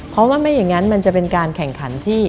เพราะว่าไม่อย่างนั้นมันจะเป็นการแข่งขันที่